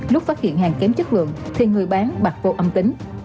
lúc phát hiện hàng kém chất lượng thì người bán bạc vô âm tính